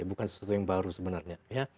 bukan sesuatu yang baru sebenarnya